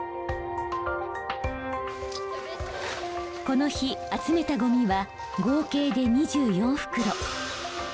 この日集めたゴミは合計で２４袋。